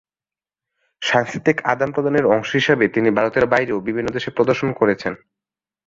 সাংস্কৃতিক আদান প্রদানের অংশ হিসাবে তিনি ভারতের বাইরেও বিভিন্ন দেশে প্রদর্শন করেছেন।